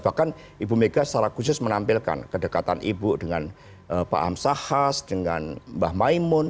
bahkan ibu megawati soekarno putri secara khusus menampilkan kedekatan ibu dengan pak amsahas dengan mbak maimun